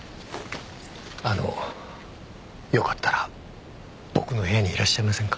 あのよかったら僕の部屋にいらっしゃいませんか？